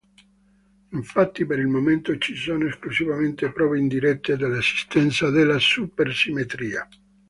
Infatti per il momento ci sono esclusivamente prove indirette dell'esistenza della supersimmetria.